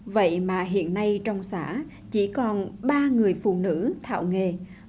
vậy mà hiện nay trong xã chỉ còn ba người phụ nữ thạo nghề